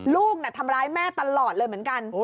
ลูกน่ะทำร้ายแม่ตลอดเลยเหมือนกัน